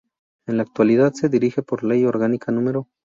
En la actualidad se rige por la Ley Orgánica No.